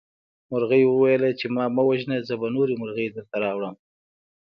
مرغۍ وویل چې ما مه وژنه زه به نورې مرغۍ درته راوړم.